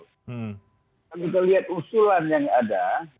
kalau kita lihat usulan yang ada